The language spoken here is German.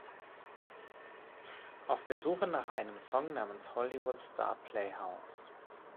Auf der Suche nach einem Song namens Hollywood Star Playhouse